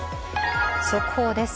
速報です。